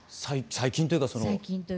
最近というかはい。